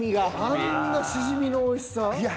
あんなシジミのおいしさ？